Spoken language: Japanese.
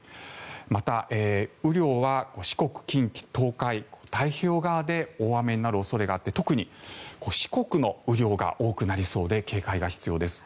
また、雨量は四国、近畿、東海太平洋側で大雨になる恐れがあって特に四国の雨量が多くなりそうで警戒が必要です。